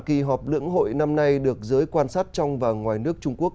kỳ họp lưỡng hội năm nay được giới quan sát trong và ngoài nước trung quốc